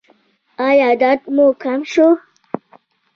ایا درد مو کم شو؟